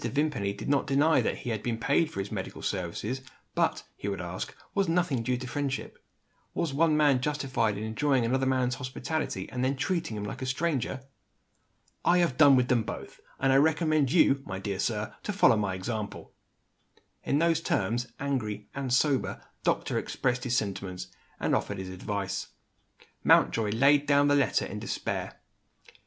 Vimpany did not deny that he had been paid for his medical services; but, he would ask, was nothing due to friendship? Was one man justified in enjoying another man's hospitality, and then treating him like a stranger? "I have done with them both and I recommend you, my dear sir, to follow my example." In those terms the angry (and sober) doctor expressed his sentiments, and offered his advice. Mountjoy laid down the letter in despair.